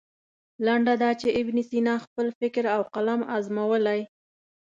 لنډه دا چې ابن سینا خپل فکر او قلم ازمویلی.